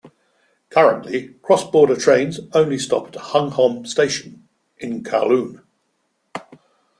Currently cross-border trains only stop at Hung Hom Station in Kowloon.